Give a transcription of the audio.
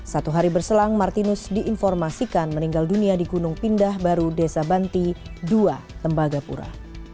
satu hari berselang martinus diinformasikan meninggal dunia di gunung pindah baru desa banti dua tembagapura